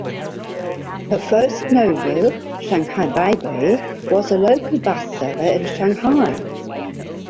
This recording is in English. Her first novel "Shanghai Baby", was a local bestseller in Shanghai.